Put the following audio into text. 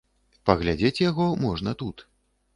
Паглядзець яго можна тут.